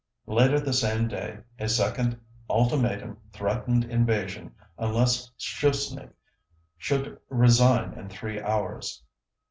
Later the same day a second ultimatum threatened invasion unless Schuschnigg should resign in three hours.